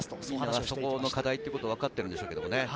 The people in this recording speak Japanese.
そこが課題というのはわかってるんでしょうね。